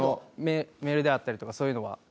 メールであったりとかそういうのは。